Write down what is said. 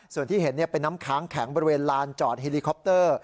ส่วนที่เห็นเป็นน้ำค้างแข็งบริเวณลานจอดเฮลิคอปเตอร์